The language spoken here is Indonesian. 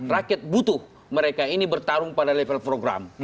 rakyat butuh mereka ini bertarung pada level program